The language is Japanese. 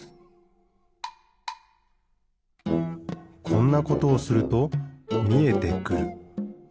こんなことをするとみえてくる。